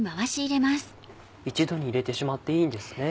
一度に入れてしまっていいんですね。